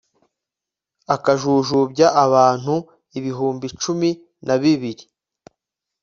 akajujubya abantu ibihumbi cumi na bibiri